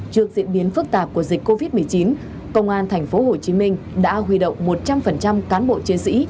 trước diễn biến phức tạp của dịch covid một mươi chín công an thành phố hồ chí minh đã huy động một trăm linh cán bộ chiến sĩ